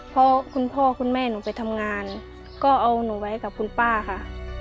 เพราะคุณพ่อคุณแม่หนูไปทำงานก็เอาหนูไว้กับคุณป้าค่ะ